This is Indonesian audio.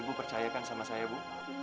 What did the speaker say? ibu percayakan sama saya bu